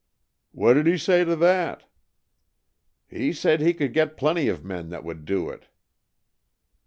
"What did he say to that?" "He said he could get plenty of men that would do it."